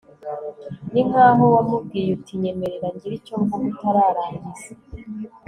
ni nk'aho wamubwiye, uti «nyemerera ngire icyo mvuga utararangiza»